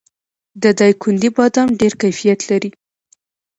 د دایکنډي بادام ډیر کیفیت لري.